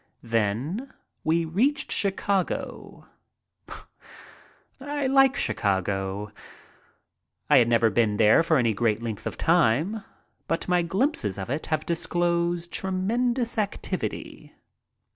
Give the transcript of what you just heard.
Then we reached Chicago. I like Chicago. I have never been there for any great length of time, but my glimpses of it have disclosed tremendous activity.